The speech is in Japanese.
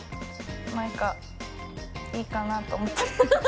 なんか、いいかなと思って。